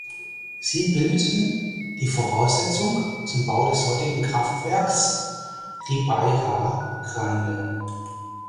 Sie bildeten die Voraussetzung zum Bau des heutigen Kraftwerks Ribeira Grande.